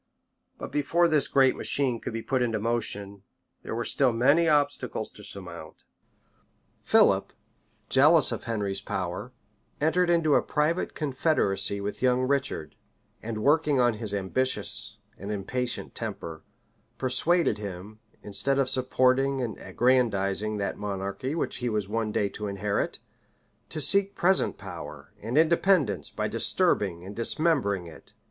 But before this great machine could be put in motion, there were still many obstacles to surmount. Philip, jealous of Henry's power, entered into a private confederacy with young Richard; and working on his ambitious and impatient temper, persuaded him, instead of supporting and aggrandizing that monarchy which he was one day to inherit, to seek present power and independence by disturbing and dismembering it.